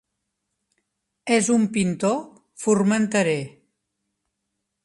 És un pintor formenterer.